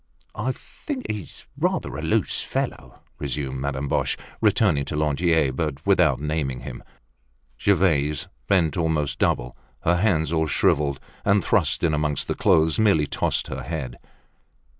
"I think he's rather a loose fellow," resumed Madame Boche, returning to Lantier, but without naming him. Gervaise, bent almost double, her hands all shriveled, and thrust in amongst the clothes, merely tossed her head.